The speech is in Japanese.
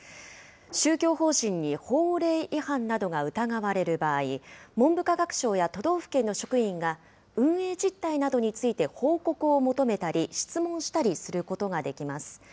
宗教法人に法令違反などが疑われる場合、文部科学省や都道府県の職員が運営実態などについて報告を求めたり、質問したりすることができます。